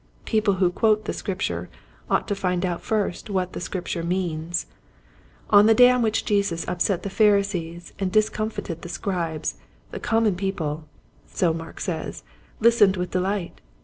People who quote the Scripture ought to find out first what the Scripture means. On the day on which Jesus upset the Pharisees and discomfited the Scribes the common people, so Mark says, listened with delight.